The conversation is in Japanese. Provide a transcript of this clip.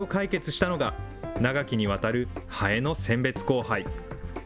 この課題を解決したのが、長きにわたるハエの選別交配。